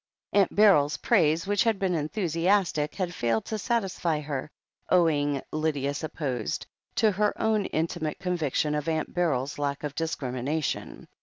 Aunt Beryl's praises, which had been enthusiastic, had failed to satisfy her, owing, Lydia supposed, to 8o THE HEEL OF ACHILLES her own intimate conviction of Aunt Beryl's lack of discrimination.